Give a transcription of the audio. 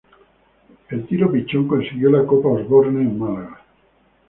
En tiro pichón consiguió la copa Osborne en Málaga.